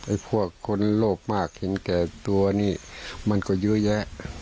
พวกคนโลกมากเห็นแก่ตัวนี่มันก็เยอะแยะ